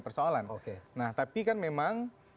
persoalan oke nah tapi kan memang